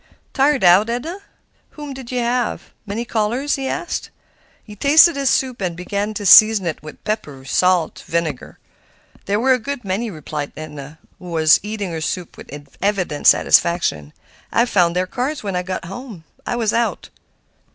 "Tired out, Edna? Whom did you have? Many callers?" he asked. He tasted his soup and began to season it with pepper, salt, vinegar, mustard—everything within reach. "There were a good many," replied Edna, who was eating her soup with evident satisfaction. "I found their cards when I got home; I was out."